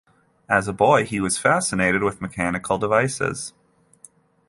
As a boy he was fascinated with mechanical devices.